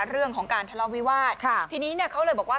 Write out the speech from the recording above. เรื่องของการทะเลาวิวาสทีนี้เนี่ยเขาเลยบอกว่า